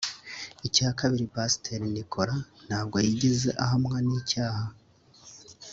Icya kabiri Pasiteri Nicholas ntabwo yigeze ahamwa n’icyaha